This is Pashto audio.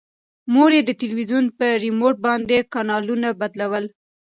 مور یې د تلویزون په ریموټ باندې کانالونه بدلول.